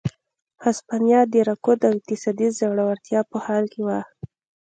هسپانیا د رکود او اقتصادي ځوړتیا په حال کې وه.